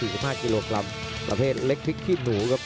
๑๕กิโลกรัมประเภทเล็กพริกขี้หนูครับ